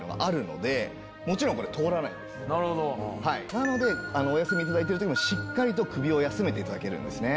なのでお休み頂いてる時もしっかりと首を休めて頂けるんですね。